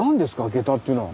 ゲタっていうのは。